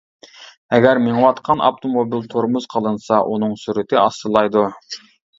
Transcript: ئەگەر مېڭىۋاتقان ئاپتوموبىل تورمۇز قىلىنسا، ئۇنىڭ سۈرئىتى ئاستىلايدۇ.